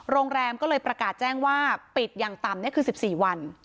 โรงแรมก็เลยประกาศแจ้งว่าปิดอย่างต่ำนี่คือ๑๔วัน